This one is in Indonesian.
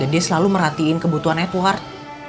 dan dia selalu merhatiin kebutuhan edward